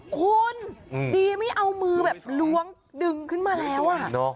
คุณดีไม่เอามือแบบล้วงดึงขึ้นมาแล้ว